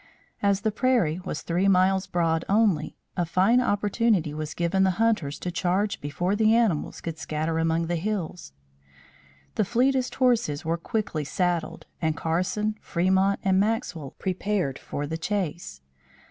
As the prairie was three miles broad only, a fine opportunity was given the hunters to charge before the animals could scatter among the hills. The fleetest horses were quickly saddled and Carson, Fremont, and Maxwell prepared for the chase.